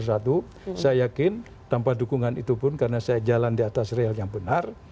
saya yakin tanpa dukungan itu pun karena saya jalan di atas real yang benar